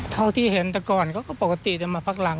เท่าที่เห็นแต่ก่อนเขาก็ปกติจะมาพักหลัง